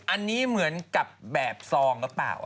อันนี้เหมือนกับแบบซองหรือเปล่า